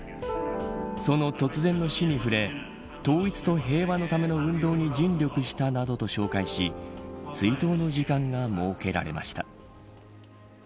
その突然の死に触れ統一と平和のための運動に尽力したなどと紹介し追悼の時間が設けられました。